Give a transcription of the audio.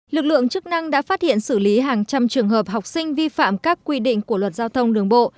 lực lượng chức năng đã phát hiện xử lý hàng trăm trường hợp học sinh vi phạm các quy định của luật giao thông đường bộ